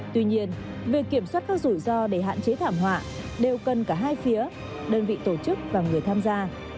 tuy nhiên việc kiểm soát các rủi ro để hạn chế thảm họa đều cần cả hai phía đơn vị tổ chức và người tham gia